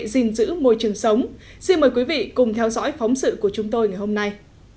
giữ môi trường sống xin mời quý vị cùng theo dõi phóng sự của chúng tôi ngày hôm nay